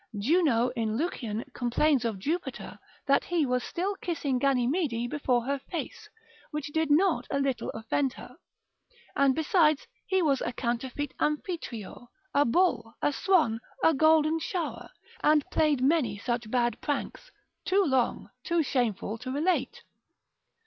Juno in Lucian complains of Jupiter that he was still kissing Ganymede before her face, which did not a little offend her: and besides he was a counterfeit Amphitryo, a bull, a swan, a golden shower, and played many such bad pranks, too long, too shameful to relate.